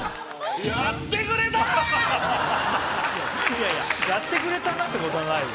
いやいややってくれたなってことはないよ。